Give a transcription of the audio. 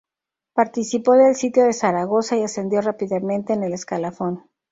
Participó del sitio de Zaragoza y ascendió rápidamente en el escalafón.